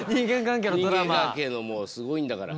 人間関係のもうすごいんだから。